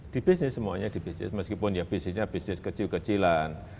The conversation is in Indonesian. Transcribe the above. di bisnis semuanya meskipun ya bisnisnya bisnis kecil kecilan